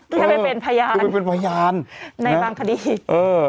แค่เป็นพยานในบางคดี